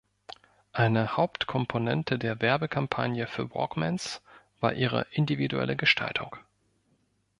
Eine Hauptkomponente der Werbekampagne für Walkmans war ihre individuelle Gestaltung.